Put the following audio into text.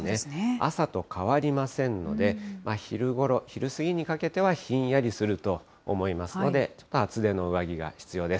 朝と変わりませんので、昼ごろ、昼過ぎにかけてはひんやりすると思いますので、ちょっと厚手の上着が必要です。